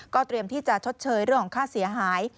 เตรียมที่จะชดเชยเรื่องของค่าเสียหาย